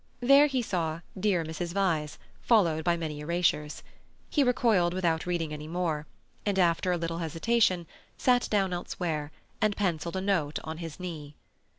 There he saw "Dear Mrs. Vyse," followed by many erasures. He recoiled without reading any more, and after a little hesitation sat down elsewhere, and pencilled a note on his knee.